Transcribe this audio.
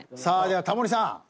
さあではタモリさん。